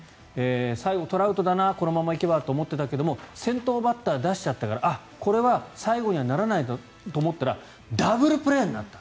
最後トラウトだなこのまま行けばと思ってたけど先頭バッター出しちゃったからこれは最後にはならないと思ったらダブルプレーになった。